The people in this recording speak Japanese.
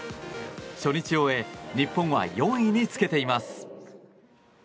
初日を終え日本は４位につけています。